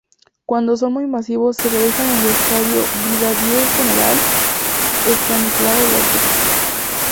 Cuando son muy masivos se realizan en el Estadio Brigadier General Estanislao López.